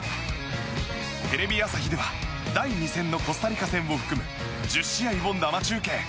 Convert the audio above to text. テレビ朝日では第２戦のコスタリカ戦を含む１０試合を生中継。